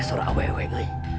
ayo surah awet awet